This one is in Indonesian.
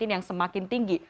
yang semakin tinggi